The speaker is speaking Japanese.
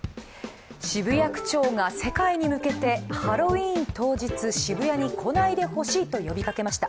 渋谷区長が世界に向けてハロウィーン当日、渋谷に来ないでほしいと呼びかけました。